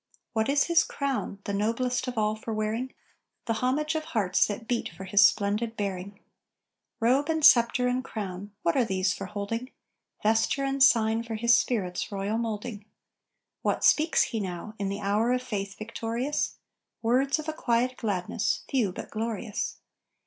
What is his crown, the noblest of all for wearing? The homage of hearts that beat for his splendid bearing. Robe and sceptre and crown what are these for holding? Vesture and sign for his spirit's royal moulding. What speaks he now, in the hour of faith victorious? Words of a quiet gladness, few, but glorious.